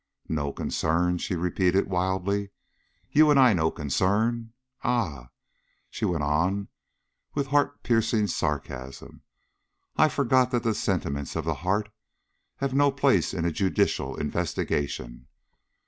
"No concern?" she repeated, wildly. "You and I no concern? Ah!" she went on, with heart piercing sarcasm, "I forgot that the sentiments of the heart have no place in judicial investigation.